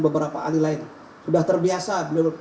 beberapa ahli lain sudah terbiasa